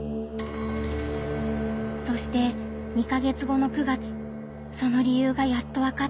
そして２か月後の９月その理由がやっとわかった。